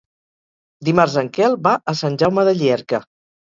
Dimarts en Quel va a Sant Jaume de Llierca.